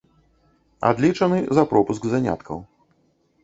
Адлічаны за пропуск заняткаў.